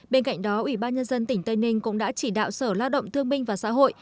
bên cạnh đó ủy ban nhân dân tỉnh tây ninh cũng đã chỉ đạo sở lao động thương minh và xã hội